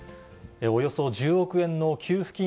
およそ１０億円の給付金